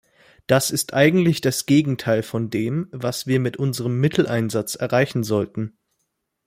Das ist eigentlich das Gegenteil von dem, was wir mit unserem Mitteleinsatz erreichen sollten.